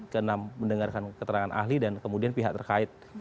keenam mendengarkan keterangan ahli dan kemudian pihak terkait